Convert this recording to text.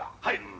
はい！